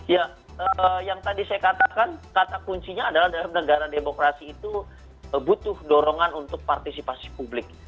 ya yang tadi saya katakan kata kuncinya adalah dalam negara demokrasi itu butuh dorongan untuk partisipasi publik